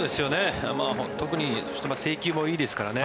特に制球もいいですからね。